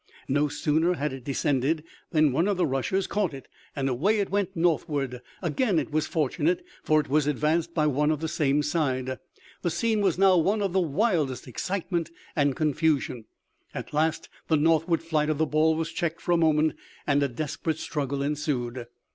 No sooner had it descended than one of the rushers caught it and away it went northward; again it was fortunate, for it was advanced by one of the same side. The scene was now one of the wildest excitement and confusion. At last, the northward flight of the ball was checked for a moment and a desperate struggle ensued.